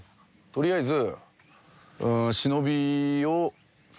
取りあえず。